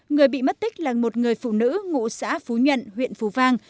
người bị mất tích là một người phụ nữ ngụ xã phú nhuận huyện phú vang